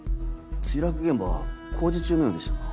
墜落現場は工事中のようでしたが？